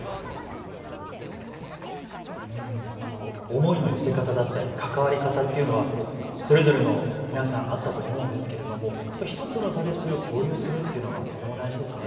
思いの寄せ方だったり関わり方っていうのはそれぞれの皆さん、あったと思うんですけれども１つの場でそれを共有するっていうのはとても大事ですね。